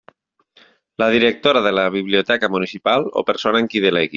La Directora de la Biblioteca Municipal o persona en qui delegui.